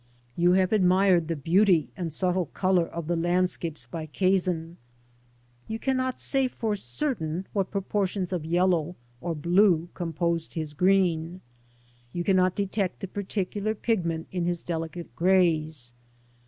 You have admired the beauty and subtle colour of the landscapes by Cazin, You cannot say for certain what proportions of yellow or J)lue composed his green. You cannot detect the par ticular pigment in his delicate greys.